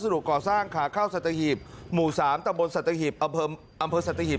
สรุปก่อสร้างขาข้าวสัตว์หีบหมู่๓ตำบลสัตว์หีบอำเภอสัตว์หีบ